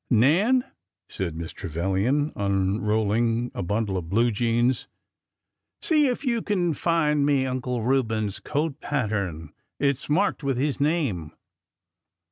Nan,'^ said Mrs. Trevilian, unrolling a bundle of blue jeans, " see if you can find me Uncle Reuben's coat pat tern. It is marked with his name."